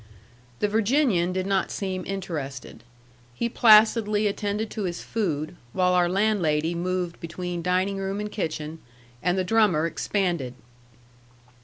The Virginian did not seem interested. He placidly attended to his food, while our landlady moved between dining room and kitchen, and the drummer expanded.